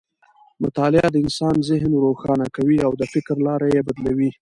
مطالعه د انسان ذهن روښانه کوي او د فکر لاره یې بدلوي.